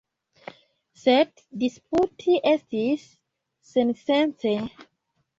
Sed disputi estis sensence.